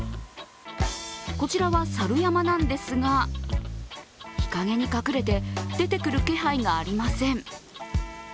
こちらはサル山なんですが日陰に隠れて出てくる気配がありません。